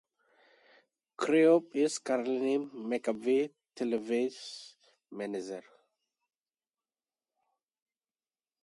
Cruyff is currently Maccabi Tel Aviv's manager.